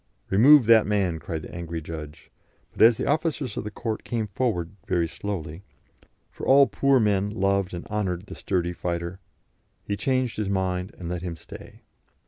"Remove that man!" cried the angry judge, but as the officers of the court came forward very slowly for all poor men loved and honoured the sturdy fighter he changed his mind and let him stay.